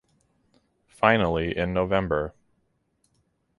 Finally in November.